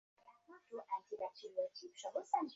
The village did until recently feature a Post Office.